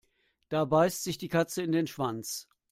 Da beißt sich die Katze in den Schwanz.